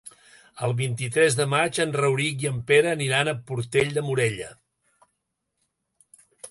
El vint-i-tres de maig en Rauric i en Pere aniran a Portell de Morella.